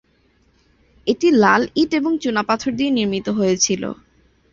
এটি লাল ইট এবং চুনাপাথর দিয়ে নির্মিত হয়েছিল।